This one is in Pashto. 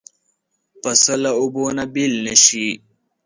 پسه له اوبو نه بېل نه شي.